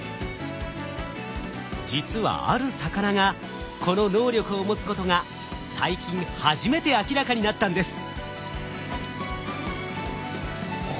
実はある魚がこの能力を持つことが最近初めて明らかになったんです。